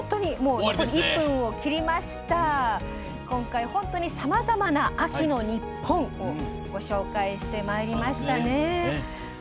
今回本当にさまざまな秋の日本をご紹介してまいりましたね。